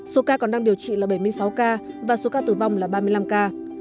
số ca còn đang điều trị là bảy mươi sáu ca và số ca tử vong là ba mươi năm ca